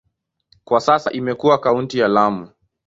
Kwa sasa imekuwa kaunti ya Lamu.